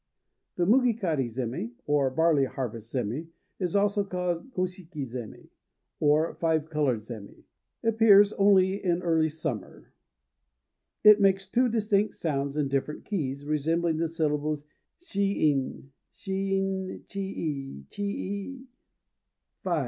THE mugi kari zémi, or "barley harvest sémi," also called goshiki zémi, or "five colored sémi," appears early in the summer. It makes two distinct sounds in different keys, resembling the syllables shi in, shin chi i, chi i.